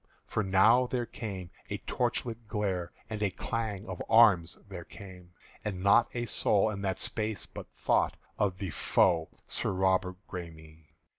For now there came a torchlight glare, And a clang of arms there came; And not a soul in that space but thought Of the foe Sir Robert Græme.